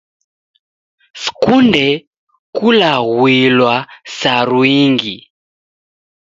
Sikunde kulaghuilwa saru ingi.